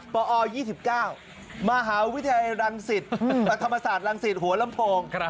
ปอ๒๙มหาวิทยาลังศิษย์ประธรรมศาสตร์ลังศิษย์หัวลำโพง